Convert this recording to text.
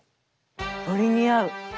鶏に合う。